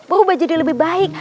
berubah jadi lebih baik